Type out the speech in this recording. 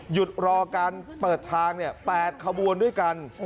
หยุดรอการเปิดทาง๘ขบวนด้วยกัน